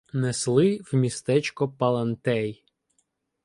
Несли в містечко Паллантей.